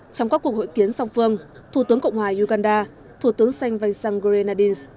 trong các cuộc hội kiến song phương thủ tướng cộng hòa uganda thủ tướng sanh vang sang grenadins